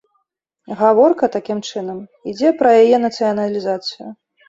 Гаворка, такім чынам, ідзе пра яе нацыяналізацыю.